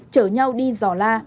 chở nhau đi giỏ la